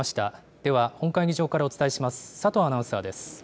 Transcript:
では、本会議場からお伝えします。